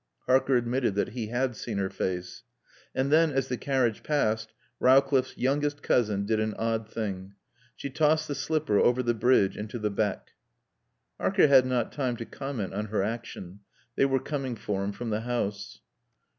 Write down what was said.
Harker admitted that he had seen her face. And then, as the carriage passed, Rowcliffe's youngest cousin did an odd thing. She tossed the slipper over the bridge into the beck. Harker had not time to comment on her action. They were coming for him from the house.